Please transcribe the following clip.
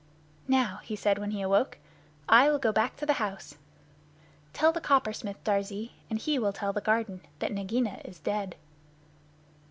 "Now," he said, when he awoke, "I will go back to the house. Tell the Coppersmith, Darzee, and he will tell the garden that Nagaina is dead."